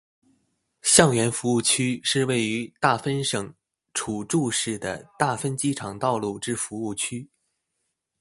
相原服务区是位于大分县杵筑市的大分机场道路之服务区。